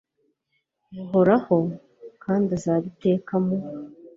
buhoraho, kandi azaba iteka mu